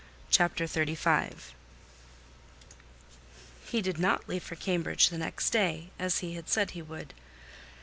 CHAPTER XXXV He did not leave for Cambridge the next day, as he had said he would.